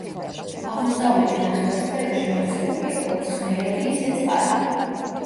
აღმოსავლეთი ნახევარსფეროში მოქცეულია როგორც ხმელეთი ისე წყალი.